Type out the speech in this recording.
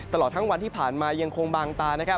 ตลอดทั้งวันที่ผ่านมายังคงบางตานะครับ